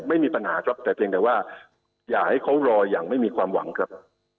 ไม่มีปัญหาครับแต่เพียงแต่ว่าอย่าให้เขารออย่างไม่มีความหวังครับ